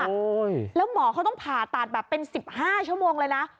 แล้วหมอเขาต้องผ่าตัดแบบเป็น๑๕ชั่วโมงเลยนะ